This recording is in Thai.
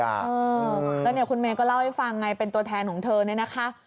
แล้วเนี่ยคุณเมย์ก็เล่าให้ฟังไงเป็นตัวแทนของเธอเนี่ยนะคะ